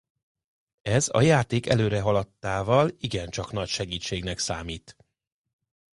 Ez a játék előrehaladtával igencsak nagy segítségnek számít!